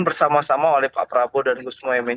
bersama sama oleh pak prabowo dan gus mohaimin